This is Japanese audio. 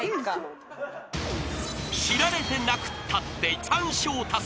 ［知られてなくったって３笑達成］